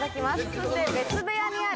そして別部屋にある。